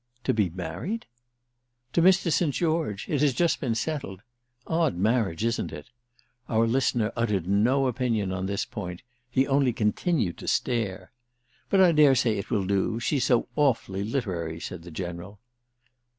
"To be married?" "To Mr. St. George—it has just been settled. Odd marriage, isn't it?" Our listener uttered no opinion on this point: he only continued to stare. "But I dare say it will do—she's so awfully literary!" said the General.